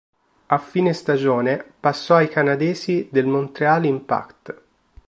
A fine stagione, passò ai canadesi del Montréal Impact.